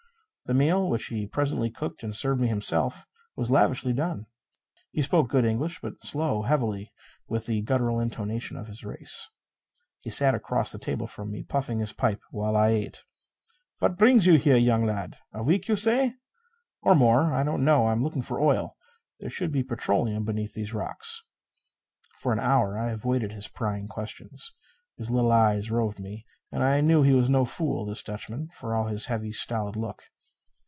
The meal which he presently cooked and served me himself was lavishly done. He spoke good English, but slowly, heavily, with the guttural intonation of his race. He sat across the table from me, puffing his pipe while I ate. "What brings you here, young lad? A week, you say?" "Or more. I don't know. I'm looking for oil. There should be petroleum beneath these rocks." For an hour I avoided his prying questions. His little eyes roved me, and I knew he was no fool, this Dutchman, for all his heavy, stolid look.